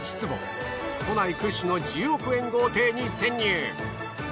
都内屈指の１０億円豪邸に潜入。